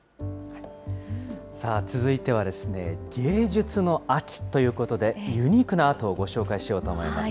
続いては芸術の秋ということで、ユニークなアートをご紹介しようと思います。